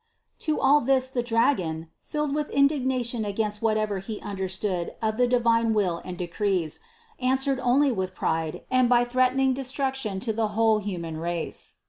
To all this the dragon, filled with indignation against what ever he understood of the divine will and decrees, an swered only with pride and by threatening destruction to the whole human race.